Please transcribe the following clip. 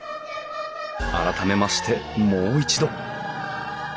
改めましてもう一度。